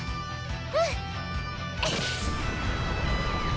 うん！